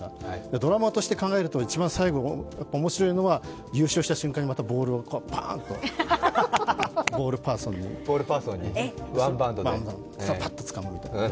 ドラマとして考えると一番最後、面白いのが優勝した瞬間にまたボールをパンとボールパーソンに、ワンバウンドで。